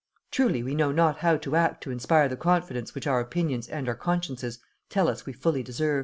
Truly, we know not how to act to inspire the confidence which our opinions and our consciences tell us we fully deserve."